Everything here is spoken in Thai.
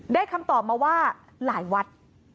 คำตอบมาว่าหลายวัด